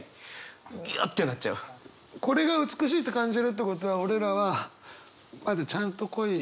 これが美しいって感じるってことは俺らはまだちゃんと恋。